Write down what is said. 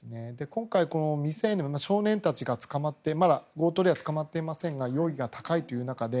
今回、未成年少年たちが捕まってまだ強盗では捕まっていませんが容疑が高いという中で